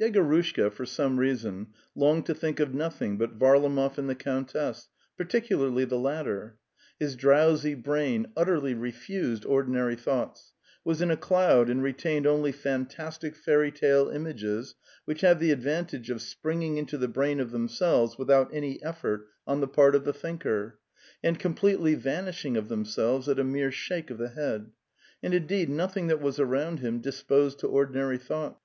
Yegorushka, for some reason, longed to think of nothing but Varlamov and the countess, particularly the latter. His drowsy brain utterly refused or dinary thoughts, was in a cloud and retained only fantastic fairy tale images, which have the advantage of springing into the brain of themselves without any effort on the part of the thinker, and completely vanishing of themselves at a mere shake of the head; and, indeed, nothing that was around him dis posed to ordinary thoughts.